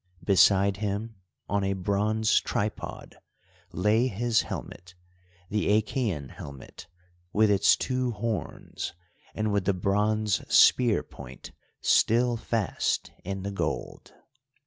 Beside him, on a bronze tripod, lay his helmet, the Achæan helmet, with its two horns and with the bronze spear point still fast in the gold.